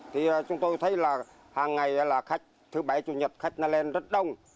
thì chúng tôi thấy là hàng ngày là khách thứ bảy chủ nhật khách nó lên rất đông